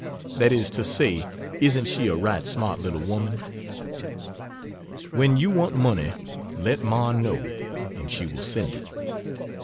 That is to say, isn't she a right smart little woman? When you want money, let Ma know, and she will send it.